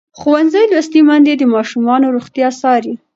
ښوونځې لوستې میندې د ماشومانو روغتیا څاري.